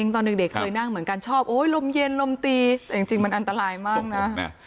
ตอนเด็กเคยนั่งเหมือนกันชอบโอ๊ยลมเย็นลมตีแต่จริงมันอันตรายมากนะ